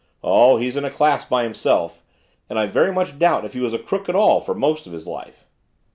Oh, he's in a class by himself and I very much doubt if he was a crook at all for most of his life."